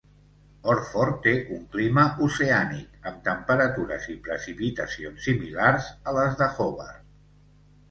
Orford té un clima oceànic, amb temperatures i precipitacions similars a les de Hobart.